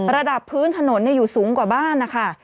ระดับพื้นถนนอยู่สูงกว่าบ้านนะคะ